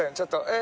［え！］